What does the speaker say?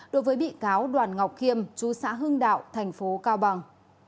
đối với bị cáo đoàn ngọc khiêm chú xã hưng đạo thành phố cao bằng